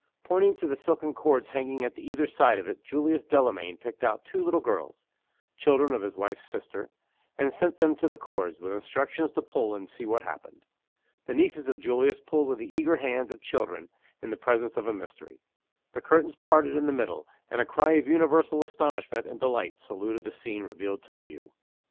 Pointing to the silken cords hanging at either side of it, Julius Delamayn picked out two little girls (children of his wife's sister), and sent them to the cords, with instructions to pull, and see what happened. The nieces of Julius pulled with the eager hands of children in the presence of a mystery the curtains parted in the middle, and a cry of universal astonishment and delight saluted the scene revealed to view.